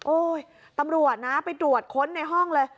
ตำรวจนะไปตรวจค้นในห้องเลย